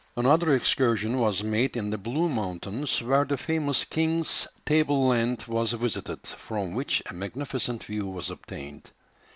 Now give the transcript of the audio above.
Another excursion was made in the Blue Mountains, where the famous "King's Table land" was visited, from which a magnificent view was obtained.